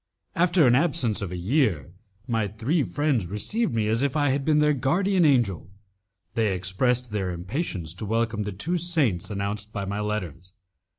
After an absence of a year, my three friends received me as if I had been their guardian angel. They expressed their impatience to welcome the two saints announced by my letters.